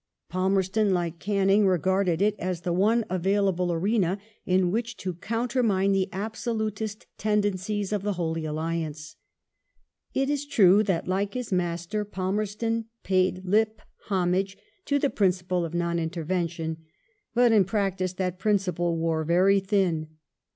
Palmerston, like Canning, regarded it as the one available arena in which to countermine the absolutist tenden cies of the Holy Alliance. It is true that, like his master, Palmer ^ iston paid lip homage to the principle of non intervention ; but in [practice that principle wore very thin.